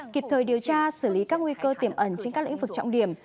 kịp thời điều tra xử lý các nguy cơ tiềm ẩn trên các lĩnh vực trọng điểm